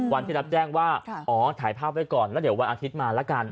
วันที่รับแจ้งว่าอ๋อถ่ายภาพไว้ก่อนแล้วเดี๋ยววันอาทิตย์มาละกัน